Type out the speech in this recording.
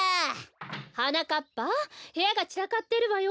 はなかっぱへやがちらかってるわよ。